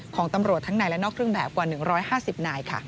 ของตำรวจทั้งในและนอกเครื่องแบบกว่า๑๕๐นายค่ะ